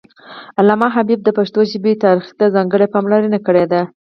علامه حبيبي د پښتو ژبې تاریخ ته ځانګړې پاملرنه کړې ده